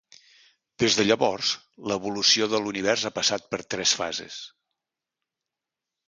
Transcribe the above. Des de llavors, l'evolució de l'univers ha passat per tres fases.